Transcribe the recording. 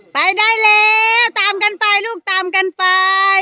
ไปได้แล้วตามกันไปลูกตามกันไป